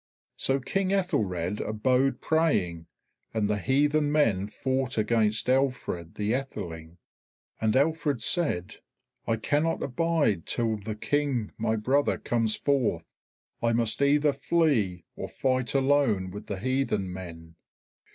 So King Aethelred abode praying, and the heathen men fought against Alfred the Aetheling. And Alfred said, "I cannot abide till the King my brother comes forth; I must either flee, or fight alone with the heathen men."